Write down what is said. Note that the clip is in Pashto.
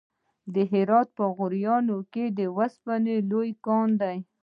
د هرات په غوریان کې د وسپنې لوی کان دی.